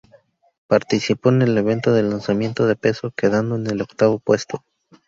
Participó en el evento de lanzamiento de peso, quedando en el octavo puesto.